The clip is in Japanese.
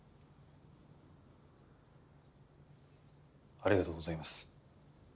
ありがとうございます。